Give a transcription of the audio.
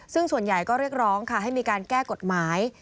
ซึ่งส่วนใหญ่ก็เรียกร้องค่ะให้มีการแก้กฎหมาย